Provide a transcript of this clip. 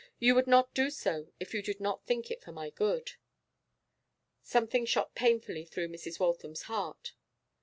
'You would not do so if you did not think it for my good.' Something shot painfully through Mrs. Waltham's heart.